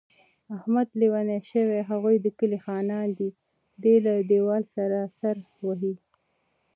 احمد لېونی شوی، هغوی د کلي خانان دي. دی له دېوال سره سر وهي.